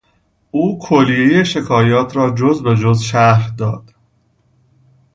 او کلیهی شکایات را جز به جز شرح داد.